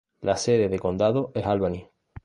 La sede de condado es Albany.